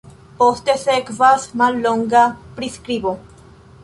Poste sekvas mallonga priskribo.